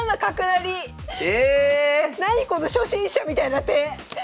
なにこの初心者みたいな手！